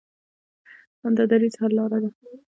همدا دریځ حل لاره ده.